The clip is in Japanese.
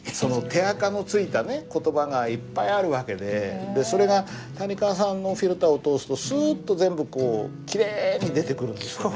手あかのついた言葉がいっぱいある訳でそれが谷川さんのフィルターを通すとすっと全部こうきれいに出てくるんですよね。